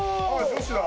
女子だ。